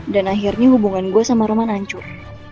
dan akhirnya hubungan gue sama roman hancur